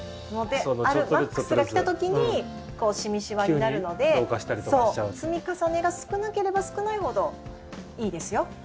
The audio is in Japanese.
マックスが来た時にシミ、シワになるので積み重ねが少なければ少ないほどいいですよ。